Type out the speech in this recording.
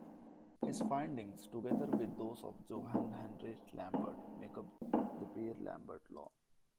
His findings, together with those of Johann Heinrich Lambert, make up the Beer-Lambert law.